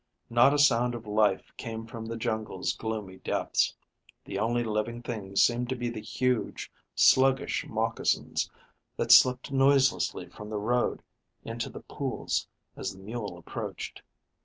Not a sound of life came from the jungle's gloomy depths. The only living things seemed to be the huge, sluggish moccasins that slipped noiselessly from the road into the pools as the mule approached.